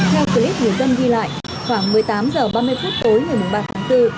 theo clip người dân ghi lại khoảng một mươi tám h ba mươi phút tối ngày ba tháng bốn